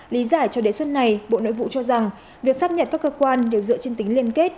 lý giải cho đề xuất này bộ nội vụ cho rằng việc xác nhận các cơ quan đều dựa trên tính liên kết